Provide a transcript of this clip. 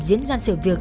diễn ra sự việc